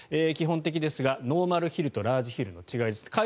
基本的ですがノーマルヒルとラージヒルの違いです。